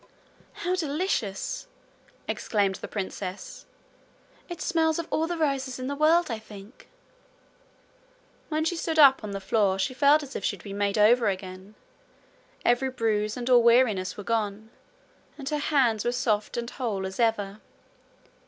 'How delicious!' exclaimed the princess. 'It smells of all the roses in the world, I think.' When she stood up on the floor she felt as if she had been made over again. Every bruise and all weariness were gone, and her hands were soft and whole as ever.